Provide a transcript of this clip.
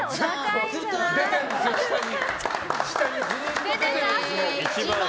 ずっと出てるんですよ、下に。